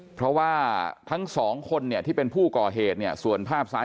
เพราะว่าทั้งสองคนเนี่ยที่เป็นผู้ก่อเหตุเนี่ยส่วนภาพซ้าย